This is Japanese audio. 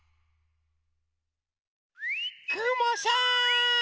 くもさん！